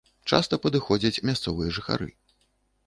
Часта падыходзяць мясцовыя жыхары.